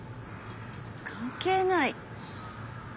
関係ない？